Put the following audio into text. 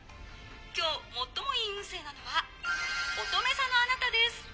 今日最もいい運勢なのはおとめ座のあなたです！」。